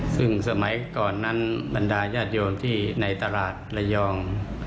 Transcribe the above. ซึ่งสมัยก่อนนั้นบรรดาญาติโยมที่ในตลาดระยอง